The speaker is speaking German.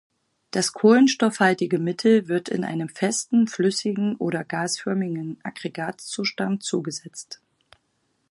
Das kohlenstoffhaltige Mittel wird in einem festen, flüssigen oder gasförmigen Aggregatzustand zugesetzt.